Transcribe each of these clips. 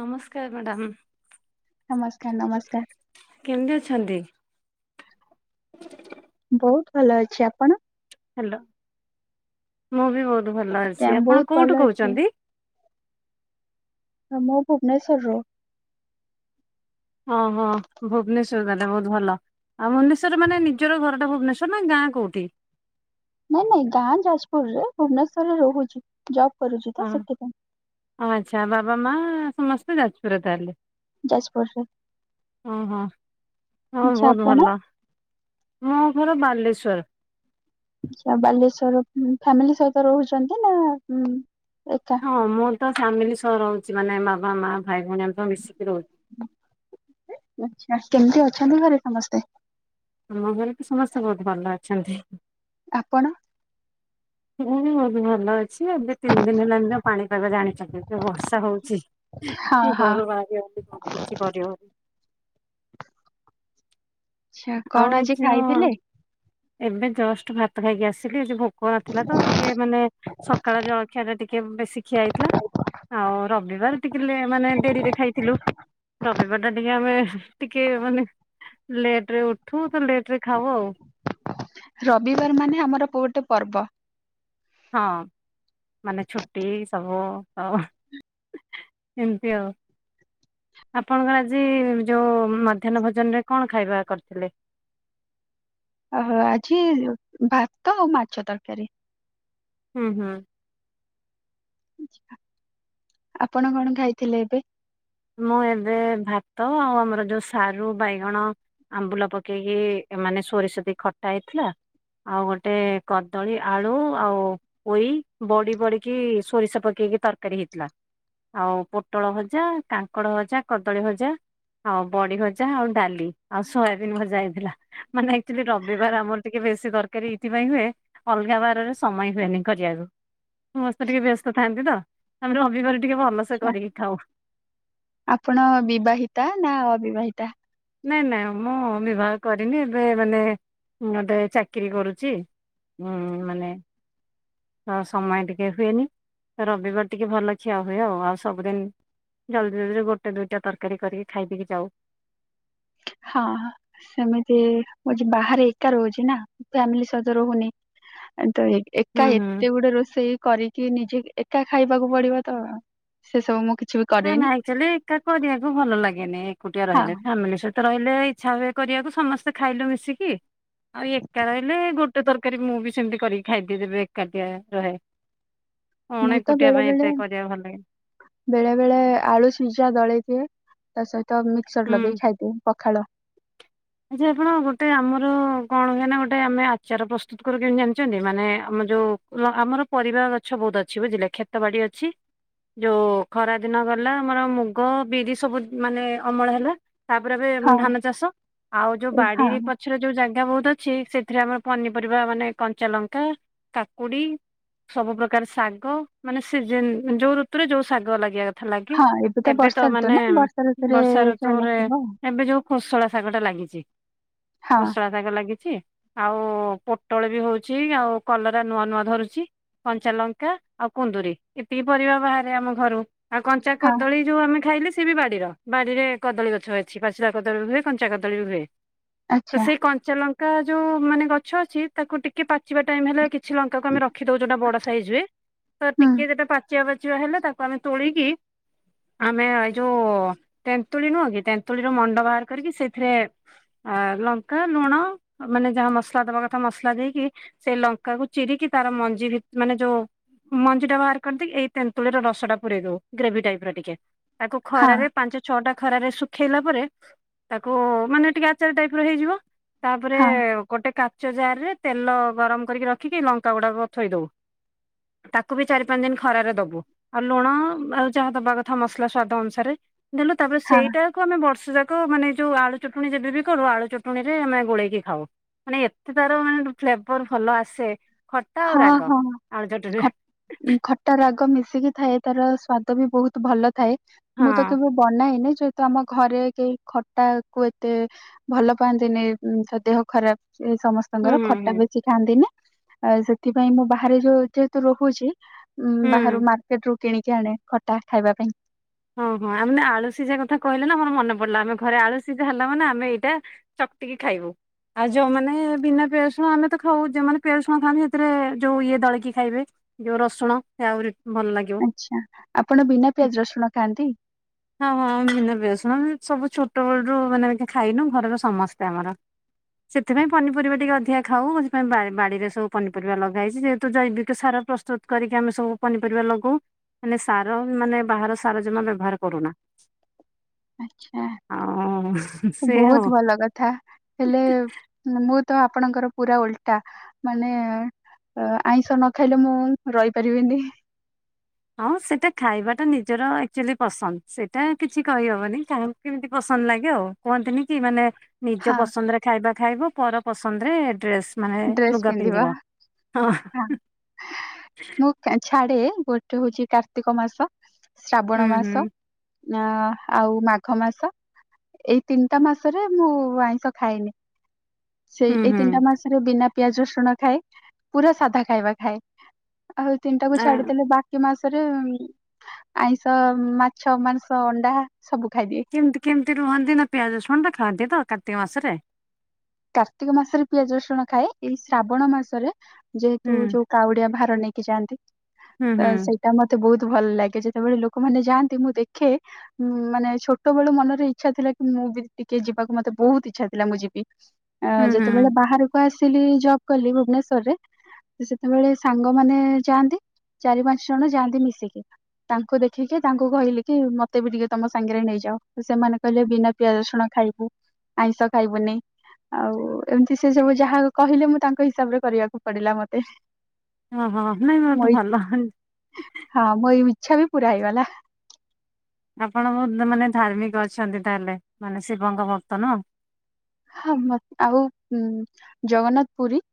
ନମସ୍କାର ମାଡ଼ାମ। ନମସ୍କାର ନମସ୍କାର। କେମତି ଅଛନ୍ତି! ବହୁତ ଭଲ ଅଛି, ଆପଣ? ହାଲୋ ମୁଁ ବି ଭଉତ୍ ଭଲ ଆଜ୍ଞା ଅଛି। ଆପଣ ବହୁତ କୋଉଠୁ ଭଲ ଅଛି କହୁଚନ୍ତି? ଏ ମୁଁ ଭୁବନେଶ୍ୱରରୁ। ଅହ ଭୁବନେଶ୍ଵର ତାଲେ ଭଉତ୍ ଭଲ। ଆଉ ଭୁବନେଶ୍ୱରରେ ମାନେ ନିଜର ଘରଟା ଭୁବନେଶ୍ୱର ନାଁ ଗାଁ କୋଉଠି? ନାଇଁ ନାଇଁ ଗାଁ ଯାଜପୁରରେ ଭୁବନେଶ୍ୱରରେ ରହୁଚି ଜବ୍ କରୁଚି ତ ସେଥିପାଇଁ। ଆଉ ଆଚ୍ଛା ବାବା ମା ସମସ୍ତେ ଯାଜପୁରରେ ତାହେଲେ। ଯାଜପୁରରେ ଓ ହଁ ହଁ ଆଚ୍ଛା ବହୁତ ଆପଣ ଭଲ। ମୋ ଘର ବାଲେଶ୍ବର। ଆଚ୍ଛା ବାଲେଶ୍ଵର ଉଁ ଫ୍ୟାମିଲି ସହିତ ରହୁଚନ୍ତି ନା ଉଁ ଏକା? ହଁ ମୁଁ ତ ଫ୍ୟାମିଲି ସହ ରହୁଚି ମାନେ ବାବା ମା ଭାଇ ଭଉଣୀ ଆମେ ସବୁ ମିଶିକି ରହୁ। ଆଚ୍ଛା କେମତି ଅଛନ୍ତି ଘରେ ସମସ୍ତେ? ଆମ ଘରେ ତ ସମସ୍ତେ ଭୋଉତ୍ ଭଲ ଅଛନ୍ତି। ଆପଣ? ହୁଁ ଭଉତ୍ ଭଲ ଅଛି। ଏବେ ତିନି ଦିନ ହେଲାଣି ତ ପାଣିପାଗ ଜାଣିଚନ୍ତି ତ ବର୍ଷା ହଉଚି। ହଁ ହଁ ଘରୁ ବାହାରି ହଉନି ଅ କିଛି କରିି ହଉନି। ଛା ଆଉ କଣ ଏଇ ଆଜି ଯୋଉ ଖାଇଥିଲେ? ଏବେ ଜଷ୍ଟ ଭାତ ଖାଇକି ଆସିଲି ଆଜି ଭୋକ ନଥିଲା ତ ଟିକେ ମାନେ ସଖାଳ ଜଳଖିଆଟା ଟି କେ ବେଶୀ ଖିଆ ହେଇଥିଲା ଆଉ ରବିବାର ଟିକେ ଲେ ମାନେ ଡେରିରେ ଖାଇଥିଲୁ। ରବିବାରଟା ଟିକେ ଆମେ ଟିକେ ମାନେ ଲେଟରେ ଉଠୁ ତ ଲେଟରେ ଖାଉ ଆଉ। ରବିବାର ମାନେ ଆମର ପୋ ଅଟେ ପର୍ବ। ହଁ ମାନେ ଛୁଟି ସବୁ ଅ ଏମତି ଆଉ। ଆପଣଙ୍କର ଆଜି ଯୋଉ ମଧ୍ୟାହ୍ନ ଭୋଜନରେ କଣ ଖାଇବା କରିଥିଲେ? ଅହ ଆଜି ଭାତ ଆଉ ମାଛ ତରକାରୀ। ହୁଁ ହୁଁ। ଆପଣ କଣ ଖାଇଥିଲେ ଏବେ? ମୁଁ ଏବେ ଭାତ ଆଉ ଆମର ଯୋଉ ସାରୁ, ବାଇଗଣ ଆମ୍ବୁଲ ପକେଇକି ମାନେ ସୋରିଷ ଦେଇ ଖଟା ହେଇଥିଲା। ଆଉ ଗୋଟେ କଦଳୀ, ଆଳୁ ଆଉ ପୋଇ ବଡ଼ି ପଡ଼ିକି ସୋରିଷ ପକେଇକି ତରକାରୀ ହେଇଥିଲା। ଆଉ ପୋଟଳ ଭଜା, କାଙ୍କଡ଼ ଭଜା, କଦଳୀ ଭଜା। ଆଉ ବଡ଼ି ଭଜା ଆଉ ଡାଳି ଆଉ ସୋୟାବିନ୍ ଭଜା ହେଇଥିଲା। ମାନେ ଆକ୍ଚୁଲି ରବିବାର ଆମର ଟିକେ ବେଶୀ ତରକାରୀ ଏଇଥିପାଇଁ ହୁଏ ଅଲଗା ବାରରେ ସମୟ ହୁଏନି କରିବାକୁ। ସମସ୍ତେ ଟିକେ ବ୍ୟସ୍ତ ଥାଆନ୍ତି ତ ଆମେ ରବିବାର ଟିକେ ଭଲସେ କରିକି ଖାଉ। ଆପଣ ବିବାହିତା ନା ଅବିବାହିତା? ନାଇଁ ନାଁ ମୁଁ ବିବାହ କରିନି ଏବେ ମାନେ ଗୋଟେ ଚାକିରି କରୁଚି। ଉଁ ମାନେ ଆ ସମୟ ଟିକେ ହୁଏନି ତ ରବିବାର ଟିକେ ଭଲ ଖିଆ ହୁଏ ଆଉ। ଆଉ ସବୁଦିନ୍ ଜଲ୍ଦି ଜଲ୍ଦି ଗୋଟେ ଦୁଇଟା ତରକାରୀ କରିକି ଖାଇ ଦେଇକି ଯାଉ। ହଁ ସେମିତି ମୁଁ ବାହାରେ ଏକା ରହୁଚି ନା ଫ୍ୟାମିଲି ସହିତ ରହୁନି। ତ ଏକ୍ ଏକା ହୁଁ ହୁଁ। ଏତେ ଗୁଡ଼ା ରୋଷେଇ କରିକି ନିଜେ ଏକା ଖାଇବାକୁ ପଡ଼ିବ ତ ସେ ସବୁ ମୁଁ କିଛି ବି ନା ନା କରେନି ଆକ୍ଚୁଆଲି ଏକା କରିବାକୁ ଭଲ ଲାଗେନି ଏକୁଟିଆ ହଁ ରହିଲେ ଫ୍ୟାମିଲି ସହିତ୍ ତ ରହିଲେ ଇଚ୍ଛା ହୁଏ କରିବାକୁ ସମସ୍ତେ ଖାଇଲୁ ମିଶିକି। ଆଉ ଏକା ରହିଲେ ଗୋଟେ ତରକାରୀ ମୁଁ ବି ସେମ୍ତି କରିକି ଖାଇ ଦିଏ ଯଦି ଏକାଟିଆ ରହେ। ମୁଁ ଅଣେ ତ କୁଟିବା ବେଳେ ପାଇଁ ବେଳେ ଏତେ କରିବା ଭଲ ଲାଗେନି। ବେଳେ ବେଳେ ଆଳୁ ସିଝା ଦଳେଇ ଦିଏ ତା ସହିତ ମିକ୍ସର ହୁଁ। ଲଗେଇ ଖାଇଦିଏ ପଖାଳ। ଆଚ୍ଛା ଆପଣ ଗୋଟେ ଆମର କଣ ହୁଏନା ଗୋଟେ ଆମେ ଆଚାର ପ୍ରସ୍ତୁତୁ କରୁ କେମିତି ଜାଣିଚନ୍ତି। ମାନେ ଆମର ଯୋଉ [unintelligible] ଆମର ପରିବା ଗଛ ବହୁତ୍ ଅଛି ବୁଝିଲେ ଖେତ ବାଡ଼ି ଅଛି। ଯୋଉ ଖରାଦିନ ଗଲା ଆମର ମୁଗ, ବିରି ସବୁ ମାନେ ଅମଳ ହେଲା। ତାପରେ ଏବେ ହଁ। [unintelligible] ଧାନ ଚାଷ ଆଉ ଯୋଉ ଓ ହଁ ବାଡ଼ିରେ ପ ଛରେ ଯୋଉ ଜାଗା ବହୁତୁ ଅଛି ସେଥିରେ ଆମର ପନିପରିବା ମାନେ କଞ୍ଚାଲଙ୍କା, କାକୁଡ଼ି ସବୁ ପ୍ରକାର ଶାଗ ମାନେ ସିଜନ୍ ଯୋଉ ଋତୁରେ ଯୋଉ ଶାଗ ଲାଗିବା କ ଲାଗେ। ହଁ ଏବେ ବର୍ଷା ତ ଋତୁ ମାନେ ନା ବର୍ଷା ଋତୁରେ ବର୍ଷା ଯାହା ଋତୁରେ ଲାଗିବ ଆଉ। ଏବେ ଯୋଉ କୋସଳା ଶାଗଟା ଲାଗିଚି ହଁ ଖୋସଳା ଶାଗ ଲାଗିଚି ଆଉ ପୋଟଳ ବି ହଉଛି ଆଉ କଲରା ନୂଆ ନୂଆ ଧରୁଛି। କଞ୍ଚାଲଙ୍କା ଆଉ କୁନ୍ଦୁରି ଏତିକି ପରିବା ବାହାରେ ଆମ ଘରୁ। ଆଉ କଞ୍ଚା ହଁ କଦଳୀ ଯୋଉ ଆମେ ଖାଇଲେ ସିଏ ବି ବାଡ଼ିର ବାଡ଼ିରେ କଦଳୀ ଗଛ ଅଛି। ପାଚିଲା କଦଳୀ ହୁଏ କନ୍ ଞ୍ଚା କଦଳୀ ବି ହୁଏ। ତ ଆଚ୍ଛା ସେଇ କଞ୍ଚା ଲଙ୍କ୍ ଙ୍କା ଯୋଉ ମାନେ ଗଛ ଅଛି ତାକୁ ଟିକେ ପାଚିବା ଟାଇମ୍ ହେଲେ କି କିଛି ଲଙ୍କାକୁ ଆମେ ରଖିଦଉ ଯୋଉଟା ବଡ଼ ସାଇଜ ହୁଏ ତ ହୁଁ ଟିକେ ସେଟା ପାଚିବା ପାଚିବା ହେଲେ ତାକ୍ [unintelligible] ଆମେ ତୋଳିକି ଆମେ ଏଇ ଯୋଉ ତେନ୍ତୁଲି ନୁହଁ କି ତେନ୍ତୁଳିର ମୁଣ୍ଡ ବାହାର କରିକି ସେଥିରେ ଆ ଲଙ୍କା, ଲୁଣ ମାନେ ଯାହା ମସଲା ଦବା କଥା ମସଲା ଦେଇକି ସେ ଲଙ୍କାକୁ ଚିରିକି ତାର ମଞ୍ଜି ଭିତ୍ ମାନେ ଯୋଉ ମଞ୍ଜିଟା ବାହାର କରିଦେଇ ଏଇ ତେନ୍ତୁଳିର ରସଟା ପୁରେଇ ଦଉ ଗ୍ରେଭି ଟାଇପର ଟିକେ। ତାକୁ ହଁ ଖରାରେ ପାଞ୍ଚ ଛଅଟା ଖରାରେ ଶୁଖେଇଲା ପରେ ତାକୁ ମାନେ ଟିକେ ଆଚାର ଟାଇପର ହେଇଯିବ ତାପରେ ହଁ ଗୋଟେ କାଚ ଜାରରେ ତେଲ ଗରମ କରିକି ରଖିକି ଲଙ୍କା ଗୁଡାକ ଥୋଇଦବୁ। ତାକୁ ବି ଚାରି ପାନ୍ ଦିନ୍ ଖରାରେ ଦବୁ। ଆଉ ଲୁଣ ଆ ଯାହା ଦବା କଥା ମସଲା ସ୍ବାଦ ଅନୁସାରେ ଦେଲେ ତାପରେ ହଁ ସେଇଟାକୁ ଆମେ ବର୍ଷ ଯାକ ମାନେ ଯୋଉ ଆଳୁ ଚଟଣି ଯେବେ ବି କରୁ ଆଳୁ ଚଟଣିରେ ଆମେ ଗୋଳେଇକି ଖାଉ। ମାନେ ଏତେ ତାର ମାନେ [unintelligible] ଫ୍ଲେବର ଭଲ ଆସେ ଖଟା ଆଉ ହଁ ରାଗ ହଁ ଆଳୁ ଚଟୁଣିରେ ଖ ଖଟା ରାଗ ମିଶିକି ଥାଏ ତାର ସ୍ବାଦ ବି ବହୁତ୍ ଭଲ। ଥାଏ ହଁ ମୁଁ ତ କେବେ ବନାଏନି ଯେହେତୁ ଆମ ଘରେ କେହି ଖଟାକୁ ଏତେ ଭଲ ପାଆନ୍ତିନି [unintelligible] ଦେହ ଖରାପ୍ ହୁଁ ସମସ୍ତଙ୍କର ହୁଁ ଖଟା ହୁଁ ବେଶୀ ଖାଆନ୍ତିନି। ଆ ସେଥିପାଇଁ ମୁଁ ବାହାରେ ଯୋଉ ଯେହେତୁ ରହୁଛି ହୁଁ ବାହାରୁ ମାର୍କେଟରୁ କିଣିକି ଆଣେ ଖଟା ଖାଇବା ପାଇଁ। ହଁ ହଁ ଆମେ ଆଳୁ ସିଜା କଥା କହିଲେ ନା ମୋର ମନ ପଡିଲା ଆମେ ଘରେ ଆଳୁ ସିଜା ହେଲା ମାନେ ଆମେ ଏଇଟା ଚକ୍ଟିକି ଖାଇବୁ। ଆଉ ଯୋଉମାନେ ବିନା ପିଆଜରସୁଣ ଆମେ ତ ଖାଉ ଯଉମାନେ ପିଆଜରସୁଣ ଖାଆନ୍ତି ସେଥିରେ ଯୋଉ ଇଏ ଦଳିକି ଖାଇବେ। ଯୋଉ ରସୁଣ ସେ ଆହୁରି ଭଲ ଲାଗ ଆଛା ଆପଣ ବିନା ପିଆଜ ରସୁଣ ଖାଆନ୍ତି? ହଁ ହଁ ଆମେ ବିନା ପିଆଜରସୁଣ ଆମେ ସବୁ ଛୋଟ ବେଳୁରୁୁ ମାନେ ଖାଇନୁ ଘରର ସମସ୍ତେ ଆମର। ସେଥିପାଇଁ ପନିପରିବା ଟିକେ ଅଧିକା ଖାଉ ସେଥିପାଇଁ ବା ବାଡିରେ ସବୁ ପନିପରିବା ଲଗା ହେଇଛି ଯେହେତୁ ଜୈବିକ ସାର ପ୍ରସ୍ତୁତ। କରିକି ଆମେ ସବୁ ପନିପରିବା ଲଗଉ। ମାନେ ସାର ମାନେ ବାହାର ସାର ଜମା ବ୍ୟବହାର କରୁନା। ଆଛା ଆଉ ସେ ଆଉ। ବହୁତ ଭଲ କଥା। ହେଲେ ମୁଁ ତ ଆପଣଙ୍କର ପୁରା ଓଲଟା ମାନେ ଆଇଁଷ ନ ଖାଇଲେ ମୁଁ ରଇପାରିବିନି। ହଁ ସେଇଟା ଖାଇବାଟା ନିଜର ଆକ୍ଚୋଲି ପସନ୍ଦ ସେଇଟା କିଛି କହିହବନି। କେମିତି ପସନ୍ଦ ଲାଗେ ଆଉ କୁହନ୍ତିନି କି ମାନେ ହଁ ନିଜ ପସନ୍ଦରେ ଖାଇବା ଖାଇବ ପର ପସନ୍ଦରେ ଡ୍ରେସ ମାନେ ଡ୍ରେସ୍ ଲୁଗା ପିନ୍ଧିବା ପିନ୍ଧିବ। ହଁ ମୁଁ ଛାଡେ ଗୋଟେ ହଉଛି କାର୍ତ୍ତିକ ମାସ ଶ୍ରାବଣ ହୁଁ ହୁଁ ମାସ। ନାଁ ଆଉ ମାଘ ମାସ ଏଇ ତିନିଟା ମାସରେ ମୁଁ ଆଇଁଷ ଖାଏନି। ସେଇ ହୁଁ ଏଇ ହୁଁ। ତିନିଟା ମାସରେ ବିନା ପିଆଜ ରସୁଣ ଖାଏ ପୁରା ସାଧା ଖାଇବା ଖାଏ। ଆଉ ତିନିଟାକୁ ନା ଛାଡିଦଲେ ବା କି ମାସରେ ଆଇଁଷ ମାଛ ମାଂସ ଅଣ୍ଡା ସବୁ ଖାଇଦିଏ। ଏମିତି କେମିତି ରୁହନ୍ତି ନା ପିଆଜରସୁଣ ଟା ଖାଆନ୍ତି ତ କାର୍ତ୍ତିକ ମାସରେ। କାର୍ତ୍ତିକ ମାସରେ ପିଆଜ ରସୁଣ ଖାଏ। ଏଇ ଶ୍ରାବଣ ମାସରେ ଯେହେତୁ ହୁଁ ଯୋଉ କାଉଡିଆ ଭାର ନେଇକି ଯାଆନ୍ତି ହୁଁ ହୁଁ ତ ସେ ଏଇଟା ମତେ ବହୁତ ଭଲ ଲାଗେ ଯେତେବେଳେ ଲୋକମାନେ ଯାଆନ୍ତି ମୁଁ ଦେଖେ ମାନେ ଛୋଟବେଳୁ ମନରେ ଇଚ୍ଛା ଥିଲା କି ମୁଁ ବି ଟିକେ ଯିବାକୁ ମତେ ବହୁତ ଇଚ୍ଛା ଥିଲା ମୁଁ ଯିବି। ଆ ହୁଁ ହୁଁ ଯେତେବେଳେ ବାହାରକୁ ଆସିଲି ଜବ୍ କଲି ଭୁବନେଶ୍ଵରରେ ସେତେବେଳେ ସାଙ୍ଗମାନେ ଯାଆନ୍ତି ଚାରି ପାଞ୍ଚ ଜଣ ଯାଆନ୍ତି ମିଶିକି। ତାଙ୍କୁ ଦେଖିକି ତାଙ୍କୁ କହିଲି କି ମତେ ବି ଟିକେ ତମ ସାଙ୍ଗରେ ନେଇଯାଅ। ସେମାନେ କହିଲେ ବିନା ପିଆଜ ରସୁଣ ଖାଇବୁ ଆଇଁଷ ଖାଇବୁନି। ଆଉ ଏମତି ସେ ସବୁ ଯାହା କହିଲେ ମୁଁ ତାଙ୍କ ହିସାବରେ କରିବାକୁ ପଡିଲା ମତେ। ଓହୋ ନାଇଁ ମୋ ବହୁତୁ ଇ ଭଲ। ହଁ ମୋ ଇଚ୍ଛା ବି ପୁରା ହେଇଗଲା। ଆପଣ ବହୁତ ମାନେ ଧାର୍ମିକ ଅଛନ୍ତି ତାହେଲେ ମାନେ ଶିବଙ୍କ ଭକ୍ତ। ନୁହଁ? ହଁ ମତେ ଆଉ ଜଗନ୍ନାଥ ପୁରୀ।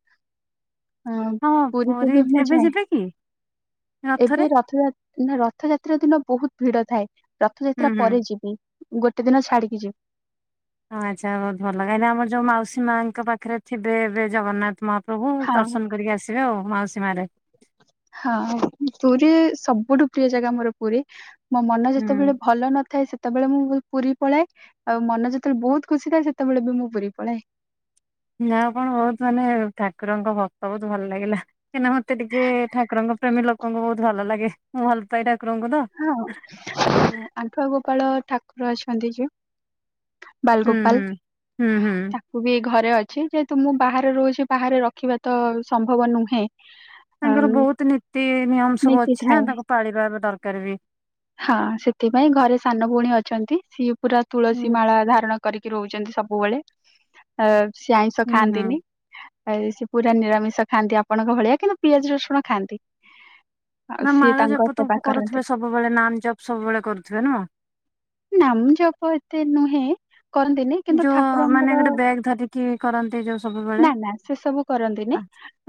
ହଁ ପୁରୀକୁ ପୁରୀ ବି ମୁଁ ଏବେ ଯାଏ ଯିବେ କି ଏବେ ରଥରେ ରଥଯା ନା ରଥଯାତ୍ରା ଦିନ ବହୁତ ଭିଡ ଥାଏ। ହୁଁ ରଥଯାତ୍ରା ହୁଁ ପରେ ଯିବି। ଗୋଟେ ଦିନ ଛାଡିକି ଯିବୁ। ହଁ ଆଛା ବହୁତ ଭଲ କାଇଁ ନା ଆମର ଯୋଉ ମାଉସୀ ମାଙ୍କ ପାଖରେ ଥିବେ ଏବେ ଜଗନ୍ନାଥ ମହା ପ୍ରଭୁ ହଁ ଦର୍ଶନ କରିକି ଆସିବେ ଆଉ ମାଉସୀ ମା ରେ। ହଁ ପୁରୀ ସବୁଠୁ ପ୍ରିୟ ଜାଗା ମୋର ପୁରୀ। ମୋ ମନ ହୁଁ ଯେତେବେଳେ ଭଲ ନଥାଏ ସେତେବେଳେ ମୁଁ ପୁରୀ ପଳାଏ ଆଉ ମନ ଯେତେବେଳେ ବହୁତ ଖୁସି ଥାଏ ସେତେବେଳେ ବି ମୁଁ ପୁରୀ ପଳାଏ। ନା କଣ ବହୁତ ମାନେ ଠାକୁରଙ୍କ ଭକ୍ତ ବହୁତ ଭଲ ଲାଗିଲା। କାହିଁକିନା ମତେ ଟିକେ ଠାକୁରଙ୍କ ପ୍ରେମୀ ଲୋକଙ୍କୁ ବହୁତ ଭଲ ଲାଗେ। ମୁଁ ଭଲ ପାଏ ଠାକୁରଙ୍କୁ ତ। ହଁ ଆଣ୍ଠୁଆ ଗୋପାଳ ଠାକୁର ଅଛନ୍ତି ଯିଏ। ହୁଁ ବାଲଗୋପାଲ ହୁଁ। ହୁଁ ହୁଁ ତା ବି ଘରେ ଅଛି ଯେହେତୁ ମୁଁ ବାହାରେ ରହୁଚି ବାହାରେ ରଖିବା ତ ସମ୍ଭବ ନୁହେଁ। ତାଙ୍କର ଅଁ ବହୁତ ନୀତି ନିୟମ ସବୁ ଅଛି ନା ନୀତିଥାଏ ତାଙ୍କୁ ପାଳିବା ଏବେ ଦରକାର ବି। ହଁ ସେଥିପାଇଁ ଘରେ ସାନ ଭଉଣୀ ଅଛନ୍ତି ସିଏ ପୁରା ହୁଁ ତୁଳସୀ ମାଳା ଧାରଣ କରିକି ରହୁଛନ୍ତି ସବୁବେଳେ ଆ ସିଏ ଆଇଁଷ ହୁଁ ହୁଁ ଖାଆନ୍ତିନି। ସେ ପୁରା ନିରାମିଷ ଖାଆନ୍ତି ଆପଣଙ୍କ ଭଳିଆ କିନ୍ତୁ ପିଆଜ ରସୁଣ ଖାଆନ୍ତି। ଆଉ ନା ସିଏ ମାଳ ତାଙ୍କ ଜପ ତ ସେବା କରନ୍ତି କରୁଥିବେ ସବୁବେଳେ ନାମ ଜପ ସବୁବେଳେ କରୁଥିବେ ନୁହଁ। ନାମ ଜପ ଏତେ ନୁହେଁ କରନ୍ତିନି କିନ୍ତୁ ଠାକୁରଙ୍କର ଏ ଧରିକି କରନ୍ତି ଯୋଉ ସବୁ ନା ନା ସେ ସବୁ କରନ୍ତିନି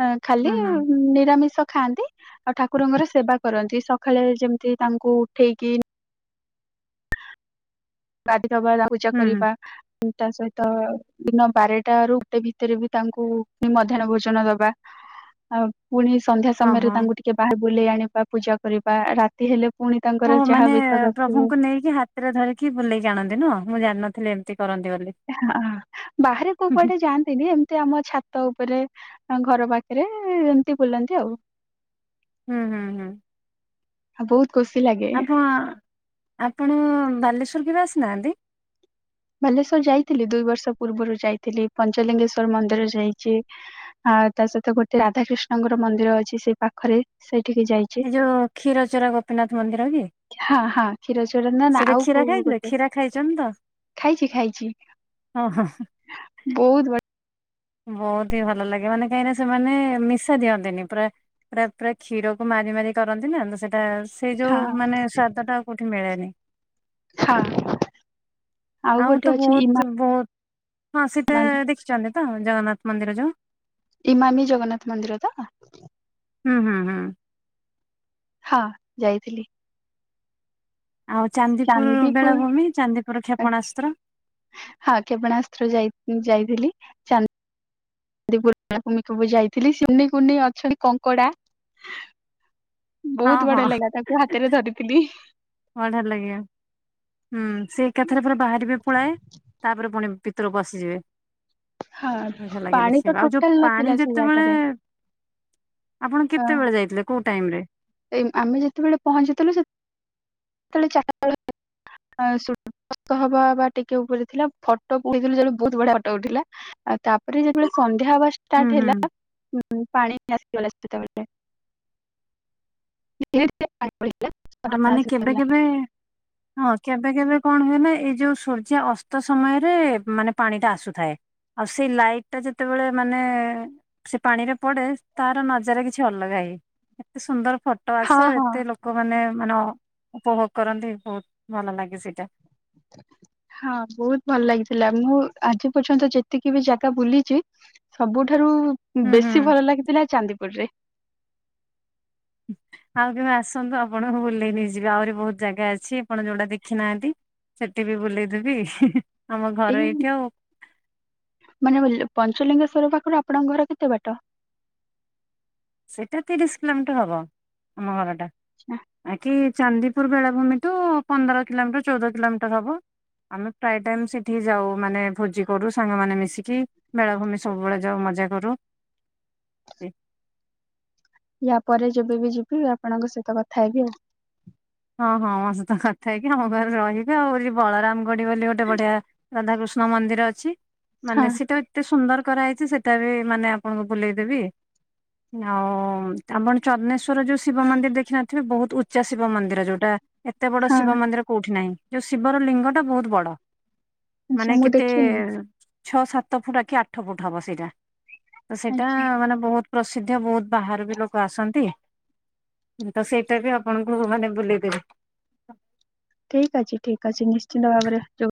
ଅ ଖାଲି ହୁଁ ହୁଁ ନିରାମିଷ ଖାଆନ୍ତି। ଆଉ ଠାକୁରଙ୍କର ସେବା କରନ୍ତି ସକାଳେ ଯେମିତି ତାଙ୍କୁ ଉଠେଇକି ଗାଧି ଦବା ତାଙ୍କ ପୂଜା ହୁଁ କରିବା ତା ସହିତ ଦିନ ବାରଟା ରୁ ଗୋଟେ ଭିତରେ ବି ତାଙ୍କୁ ମଧ୍ୟାହ୍ନ ଭୋଜନ ଦବା ଆ ପୁଣି ସନ୍ଧ୍ୟା ସମୟରେ ଓହୋ। ତାଙ୍କୁ ଟିକେ ବାହାରେ ବୁଲେଇ ଆଣିବା ପୂଜା କରିବା ରାତି ହେଲେ ପୁଣି ହ ତାଙ୍କର ଯାହା ମାନେ ବେଶ କରିଥିବେ ପ୍ରଭୁଙ୍କୁ ନେଇକି ହାତ ସେଥିରେ ଧରିକି ବୁଲେଇକି ଆଣନ୍ତି ନୁହ ମୁଁ ଜାଣିନଥିଲି ଏମିତି କରନ୍ତି ବୋଲି। ହଁ ବାହାରେ କୋଉ ହୁଁ ହୁଁ। ପଟେ ଯାଆନ୍ତିନି ଏମିତି ଆମ ଛା ତ ଉପରେ ଘର ପାଖରେ ଏମିତି ବୁଲନ୍ତି ଆଉ। ହୁଁ, ହୁଁ, ହୁଁ ଆଉ ବହୁତ ଖୁସି ଲାଗେ ଆପଣ ଆପଣ ବାଲେଶ୍ୱର କେବେ ଆସିନାହାନ୍ତି? ବାଲେଶ୍ଵର ଯାଇଥିଲି ଦୁଇ ବର୍ଷ ପୂର୍ବରୁ ଯାଇଥିଲି ପଞ୍ଚଲିଙ୍ଗେଶ୍ଵର ମନ୍ଦିର ଯାଇଚି। ଆଉ ତା ସହିତ ଗୋଟେ ରାଧାକୃଷ୍ଣଙ୍କର ମନ୍ଦିର ଅଛି ସେଇ ପାଖରେ ସେଇଠିକି ଯାଇ ଏଇ ଯୋଉ କ୍ଷୀର ଚୋରା ଗୋପୀନାଥ ମନ୍ଦିର କି ହଁ, ହଁ କ୍ଷୀର ଚୋର ନା ନା ସେଇଟା ଆଉ କ୍ଷୀରା କୋଉ କ୍ଷୀରା ଖାଇଛନ୍ତି ତ। ଖାଇଚି ଖାଇଚି ହଁ ହଁ ବହୁତ ବ ବହୁତ ହିଁ ଭଲ ଲାଗେ ମାନେ କାହିଁକି ସେମାନେ ମିଶା ଦିଅନ୍ତିନି ପୁରା ପୁରା ପୁରା କ୍ଷୀରକୁ ମାରି ମାରି କରନ୍ତି ନା ତ ସେଇଟା ସେଇ ଯୋଉ ହଁ ମାନେ ସ୍ଵାଦଟା ଆଉ କୋଉଠି ମିଳେନି। ଛାଆ ଆଉ ତ ବହୁତ ବହୁତ ହଁ ସେଟା ମାମି ଦେଖିଛନ୍ତି ତ ଜଗନ୍ନାଥ ମନ୍ଦିର ଯୋଉ। ଇମାମି ଜଗନ୍ନାଥ ମନ୍ଦିର ତ। ହୁଁ, ହୁଁ, ହୁଁ। ହଁ ଯାଇଥିଲି। ଆଉ ଚାନ୍ଦିପୁର ବେଳାଭୂମି, ଚାନ୍ଦିପୁର କ୍ଷେପଣାସ୍ତ୍ର। ହଁ କ୍ଷେପଣାସ୍ତ୍ର ଯାଇ ଯାଇଥିଲି ଚାନ୍ଦ ପମି ଯାଇଥିଲି ଶୁନି କୁନି ଅଛନ୍ତି କଙ୍କଡା। ହଁ ବହୁତ ହଁ। ବଢିଆ ଲାଗା ତାଙ୍କୁ ହାତରେ ଧରିଥିଲି। ବଢିଆ ଲାଗିବ। ହୁଁ ସେ ଏକାଥାରେ ପୁରା ବାହାରିବେ ପୁଳାଏ ତାପରେ ପୁଣି ଭିତର ପସିଯିବେ। ହଁ ଭଲ୍ ଲାଗେ ପାଣି ତ ଦେଖିବାକୁ ଆଉ ଯୋଉ ଟୋଟାଲ ନଥିଲା ପାଣି ସେ ଯେତେବେଳେ ଜାଗାରେ ଆପଣ କେତେବେଳେ ଯାଇଥିଲେ କୋଉ ଟାଇମ ରେ ଏ ଆମେ ଯେତେବେଳେ ପହଞ୍ଚିଥିଲୁ ସେତେବେଳେ ଚାରିଟା ଭଳିଆ ହଁ ସୁ ସମ୍ପର୍କ ହବା ବା ଟିକେ ଉପରେ ଥିଲା ଫଟୋ ପୁରେଇଦେଲୁ ଯେ ବହୁତ ବଢିଆ ଫଟୋ ଉଠିଲା। ଆଉ ତାପରେ ଯେତେବେଳେ ସନ୍ଧ୍ୟା ହବା ହୁଁ ସ୍କାଟ ହୁଁ ହେଲା ପାଣି ଆସିଗଲା ସେତେବେଳେ ଆଉ ମାନେ କେବେ କେବେ [unintelligible] ହଁ କେବେ କେବେ କଣ ହୁଏ ନା ଏଇ ଯୋଉ ସୂର୍ଯ୍ୟ ଅସ୍ତ ସମୟରେ ମାନେ ପାଣି ଟା ଆସୁଥାଏ। ଆଉ ସେ ଲାଇଟ୍ ଟା ଯେତେବେଳେ ମାନେ ସେ ପାଣି ରେ ପଡେ ତାର ନଜର କିଛି ଅଲଗା ହେଇ ଏତେ ସୁନ୍ଦର ଫ ଫୋଟ ହଁ ଆସେ ଆଉ ହଁ ଏତେ ଲୋକମାନେ ମାନେ ଉପଭୋଗ କରନ୍ତି ବହୁତ ଭଲ ଲାଗେ ସେଇଟା। ହଁ ବହୁତ ଭଲ ଲାଗିଥିଲା ମୁଁ ଆଜି ପର୍ଯ୍ୟନ୍ତ ଯେତିକି ବି ଜାଗା ବୁଲିଛି ସବୁଠାରୁ ହୁଁ ହୁଁ। ବେଶୀ ଭଲ ଲାଗିଥିଲା ଚାନ୍ଦିପୁର ରେ। ଆଉ କେବେ ଆସନ୍ତୁ ଆପଣ ବୁଲେଇ ନେଇ ଯିବି ଆହୁରି ବହୁତ ଜାଗା ଅଛି ଆପଣ ଯୋଉଡା ଦେଖିନାହାନ୍ତି। ସେଠି ବି ବୁଲେଇଦେବି ଆମ ଏଇ ଘର ଏଇଠି ଆଉ। ମାନେ ବୁଲୁ ପଞ୍ଚଲିଙ୍ଗେଶ୍ଵର ପାଖରୁ ଆପଣଙ୍କ ଘର କେତେ ବାଟ? ସେଟା ତିରିଶ କିଲୋମିଟର ହବ ଆମ ଘର ଟା। ଆଚ୍ଛା, ବାକି ଚାନ୍ଦିପୁର ବେଳାଭୂମି ଠୁ ପନ୍ଦର କିଲୋମିଟର ଚଉଦ କିଲୋମିଟର ହବ। ଆମେ ପ୍ରାୟ ଟାଇମ ସେଠି ଯାଉ ମାନେ ଭୋଜି କରୁ ସାଙ୍ଗମାନେ ମିଶିକି। ବେଳାଭୂମି ସବୁବେଳେ ଯାଉ ମଜା କରୁ। ୟା ପରେ ଯେବେ ବିି ଯିବି ଆପଣଙ୍କ ସହିତ କଥା ହେବି ଆଉ। ହଁ ହଁ ମୋ ସହିତ କଥା ହେଇକି ଆମ ଘରେ ରହିବେ ଆଉ ବଳରାମ ଗୋଡି ବୋଲି ଗୋଟେ ବଢିଆ ରାଧାକୃଷ୍ଣ ନୂଆ ମନ୍ଦିର ଅଛି ହଁ ମାନେ ସେଟା ଏତେ ସୁନ୍ଦର କରାଯାଇଛି ସେଟା ବି ମାନେ ଆପଣଙ୍କୁ ବୁଲେଇଦେବି। ଆଉ ଆମର ଚନ୍ଦନେଶ୍ଵର ଯୋଉ ଶିବ ମନ୍ଦିର ଦେଖିନଥିବେ ବହୁତ ଉଚ୍ଚା ଶିବ ମନ୍ଦିର। ଯୋଉଟା ଏତେ ବଡ ହଁ ଶିବ ମନ୍ଦିର କୋଉଠି ନାହିଁ। ଯୋଉ ଶିବର ଲିଙ୍ଗଟା ବହୁତ ବଡ। ମାନେ ଆଚ୍ଛା ମୁଁ କେତେ ଦେଖିନି ଛଅ ସାତ ଫୁଟ ଆ କି ଆଠ ଫୁଟ ହବ ସେଇଟା। ସେଇଟା ଆଚ୍ଛା। ମାନେ ବହୁତ ପ୍ରସିଦ୍ଧ ବହୁତ ବାହାର ବି ଲୋକ ଆସନ୍ତି ତ ସେଇଟା ବି ଆପଣଙ୍କୁ ମାନେ ବୁଲେ [inaudible] ଠିକ୍ ଅଛି ଠିକ୍ ଅଛି ନିଶ୍ଚିନ୍ତ ଭାବରେ ଯୋଉ